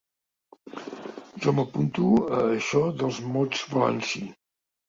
Jo m'apunto a això dels mots balancí.